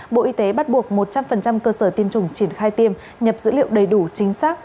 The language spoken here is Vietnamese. bộ y tế bắt buộc một trăm linh cơ sở tiêm chủng triển khai tiêm nhập dữ liệu đầy đủ chính xác